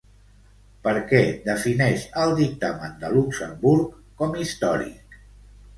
Per què defineix el dictamen de Luxemburg com històric?